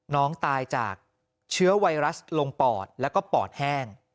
น้องตายจากเชื้อไวรัสลงปอดแล้วก็ปอดแห้ง